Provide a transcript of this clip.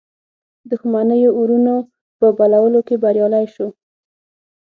دښمنیو اورونو په بلولو کې بریالی سو.